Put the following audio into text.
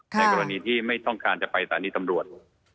ในกรณีที่ไม่ต้องการจะไปสถานีตำรวจ